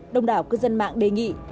đông đảo cư dân mạng đề nghị